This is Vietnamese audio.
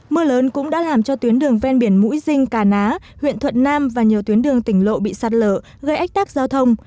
mưa lớn cũng đã làm cho tuyến đường ven biển mũi dinh cà ná huyện thuận nam và nhiều tuyến đường tỉnh lộ bị sạt lở gây ách tắc giao thông